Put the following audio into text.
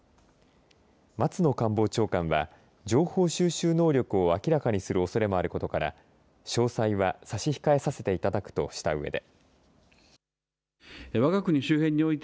松野官房長官は情報収集能力を明らかにするおそれもあることから詳細は差し控えさせていただくとしたうえで。